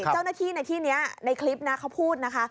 เจ้าหน้าที่ในที่นี้ในคลิปนะเขาพูดนะคะ